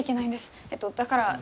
えっとだからえ。